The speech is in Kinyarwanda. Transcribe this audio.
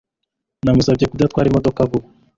Namusabye kudatwara imodoka vuba